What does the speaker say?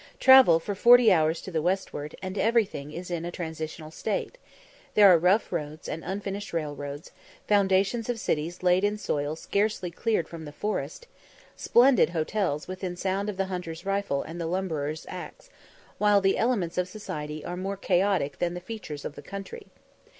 Travel for forty hours to the westward, and everything is in a transition state: there are rough roads and unfinished railroads; foundations of cities laid in soil scarcely cleared from the forest; splendid hotels within sound of the hunter's rifle and the lumberer's axe; while the elements of society are more chaotic than the features of the country.